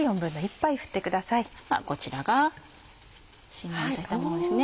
こちらがしんなりしてきたものですね。